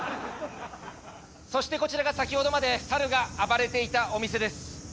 そしてこちらが先ほどまでサルが暴れていたお店です。